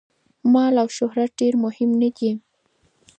مال او شهرت ډېر مهم نه دي.